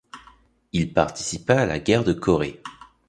Il participa à la Guerre de Corée.